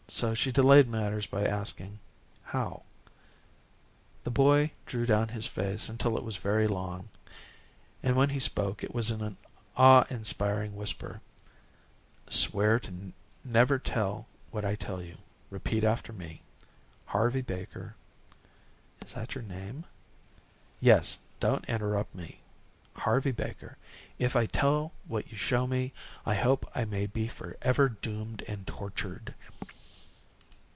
So she delayed matters by asking "How?" The boy drew down his face until it was very long, and when he spoke it was in an awe inspiring whisper. "Swear never to tell what I tell you. Repeat after me, 'Harvey Baker '" "Is that your name?" "Yes don't interrupt me. 'Harvey Baker, if I tell what you show me, I hope I may be forever doomed and tortured.'"